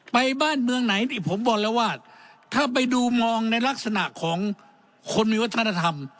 บ้านเมืองไหนนี่ผมบอกแล้วว่าถ้าไปดูมองในลักษณะของคนมีวัฒนธรรม